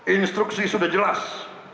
instruksi sudah jelas